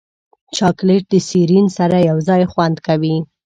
چاکلېټ د سیرین سره یوځای خوند کوي.